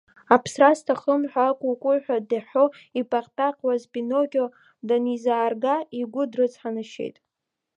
Аԥсра сҭахым ҳәа акәукәуҳәа дыҳәҳәо, иԥаҟьԥаҟьуаз Пиноккио данизаарга, игәы дрыцҳанашьеит.